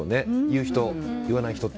言う人、言わない人を。